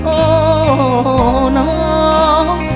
โอ้น้อง